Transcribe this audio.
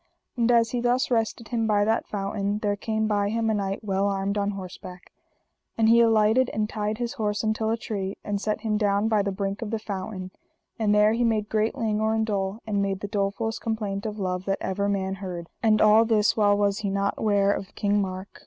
And as he thus rested him by that fountain there came by him a knight well armed on horseback; and he alighted, and tied his horse until a tree, and set him down by the brink of the fountain; and there he made great languor and dole, and made the dolefullest complaint of love that ever man heard; and all this while was he not ware of King Mark.